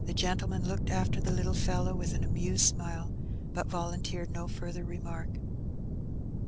The gentleman looked after the Uttle fellow with an amused smile, but volunteered no ftirther remark.